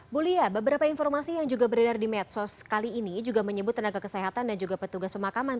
bu lia beberapa informasi yang juga beredar di medsos kali ini juga menyebut tenaga kesehatan dan juga petugas pemakaman